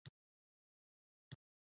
بېساري وړتیاوې هغه په بشپړ ډول واکمنوي.